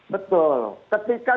betul ini kan soal kebijakan